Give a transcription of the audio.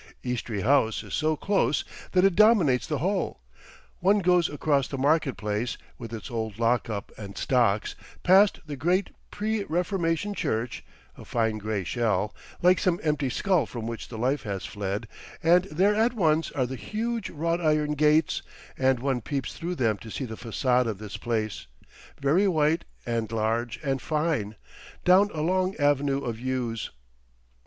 Eastry House is so close that it dominates the whole; one goes across the marketplace (with its old lock up and stocks), past the great pre reformation church, a fine grey shell, like some empty skull from which the life has fled, and there at once are the huge wrought iron gates, and one peeps through them to see the façade of this place, very white and large and fine, down a long avenue of yews.